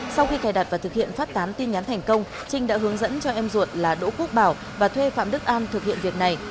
sau khi cài đặt và thực hiện phát tán tin nhắn thành công trinh đã hướng dẫn cho em ruột là đỗ quốc bảo và thuê phạm đức an thực hiện việc này